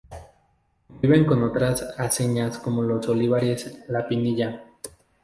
Conviven con otras aceñas como son las de Olivares, la Pinilla.